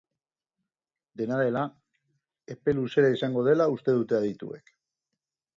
Dena dela, epe luzera izango dela uste dute adituek.